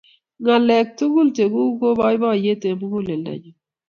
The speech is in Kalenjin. ng'alek tugul cheguk ko baibaiet eng' muguleldo nyu